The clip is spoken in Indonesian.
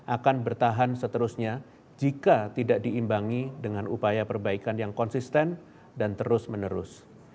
akan bertahan seterusnya jika tidak diimbangi dengan upaya perbaikan yang konsisten dan terus menerus